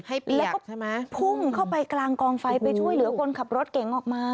แล้วก็พุ่งเข้าไปกลางกองไฟไปช่วยเหลือคนขับรถเก่งออกมา